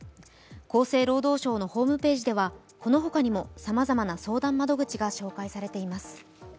厚生労働省のホームページではこのほかにもさまざまな相談窓口が紹介されています。